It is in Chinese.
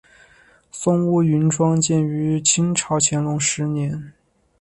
松坞云庄建于清朝乾隆十年。